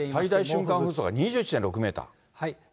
最大瞬間風速が２１．６メーター。